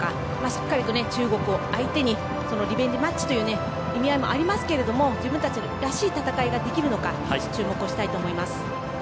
しっかり中国を相手にリベンジマッチという意味合いもありますけども自分たちらしい戦いができるのか注目したいと思います。